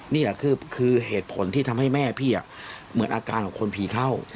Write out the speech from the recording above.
นี่แหละคือเหตุผลที่ทำให้แม่พี่เหมือนอาการของคนผีเข้า